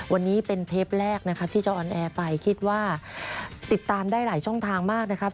วันนี้เป็นเทปแรกนะครับที่จะออนแอร์ไปคิดว่าติดตามได้หลายช่องทางมากนะครับ